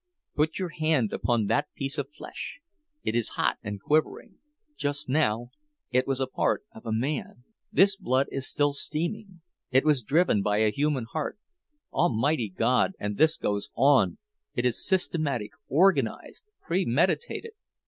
Put your hand upon that piece of flesh—it is hot and quivering—just now it was a part of a man! This blood is still steaming—it was driven by a human heart! Almighty God! and this goes on—it is systematic, organized, premeditated!